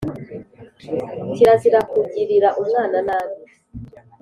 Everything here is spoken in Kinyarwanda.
Kirazira kugirira umwana nabi.